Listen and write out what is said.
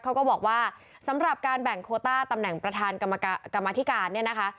เขาก็บอกว่าสำหรับการแบ่งโคต้าตำแหน่งประธานกรรมธิการเนี่ยนะคะ